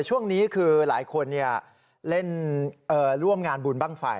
ช่วงนี้คือหลายคนเล่นร่วมงานบุญบ้างไฟ